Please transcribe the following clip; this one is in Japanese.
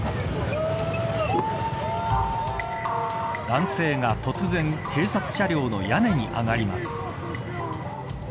男性が突然警察車両の屋根に上がります。